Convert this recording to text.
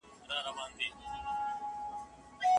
اوسلو څنګه د افغان چارواکو او لویدیځو ډیپلوماتانو غونډې جوړوي؟